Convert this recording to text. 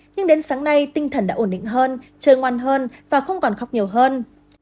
nhưng đến sáng nay tinh thần đã ổn định hơn trời ngoan hơn và không còn khóc nhiều hơn